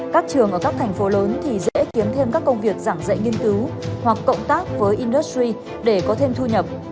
các trường ở các thành phố lớn thì dễ kiếm thêm các công việc giảng dạy nghiên cứu hoặc cộng tác với industries để có thêm thu nhập